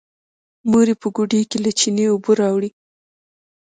مور يې په ګوډي کې له چينې اوبه راوړې.